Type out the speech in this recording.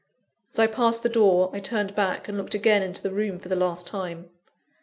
As I passed the door, I turned back, and looked again into the room for the last time.